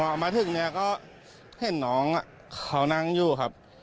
พอมาถึงเนี่ยก็เห็นน้องเขานั่งอยู่ครับ